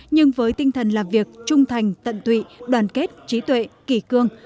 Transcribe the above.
nhưng với tinh thần làm việc trung thành tận tụy đoàn kết trí tuệ kỳ cương